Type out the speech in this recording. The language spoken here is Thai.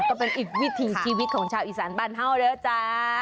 ก็เป็นอีกวิธีชีวิตของชาวอีสานบรรเท่าเนอะจ๊ะ